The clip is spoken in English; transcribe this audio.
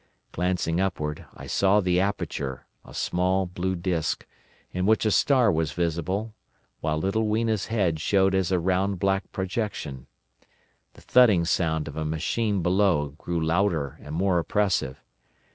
Glancing upward, I saw the aperture, a small blue disc, in which a star was visible, while little Weena's head showed as a round black projection. The thudding sound of a machine below grew louder and more oppressive.